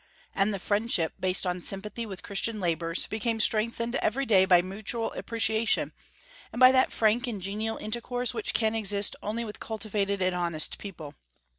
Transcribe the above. And the friendship, based on sympathy with Christian labors, became strengthened every day by mutual appreciation, and by that frank and genial intercourse which can exist only with cultivated and honest people.